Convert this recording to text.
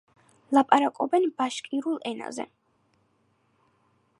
ლაპარაკობენ ბაშკირულ ენაზე.